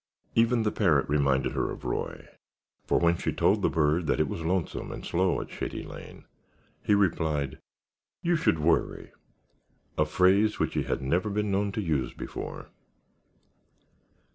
Even the parrot reminded her of Roy, for when she told the bird that it was lonesome and slow at Shady Lawn, he replied, "You should worry!"—a phrase which he had never been known to use before.